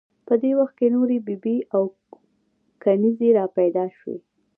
په دې وخت کې نورې بي بي او کنیزې را پیدا شوې.